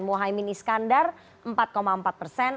mohaimin iskandar empat empat persen